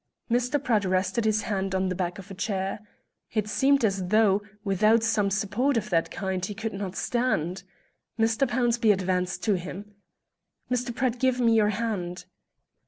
Mr. Pratt rested his hand on the back of a chair. It seemed as though, without some support of that kind, he could not stand. Mr. Pownceby advanced to him. "Mr. Pratt, give me your hand."